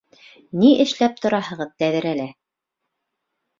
Ни эшләп тораһығыҙ тәҙрәлә?